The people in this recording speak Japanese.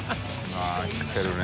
あぁ来てるね。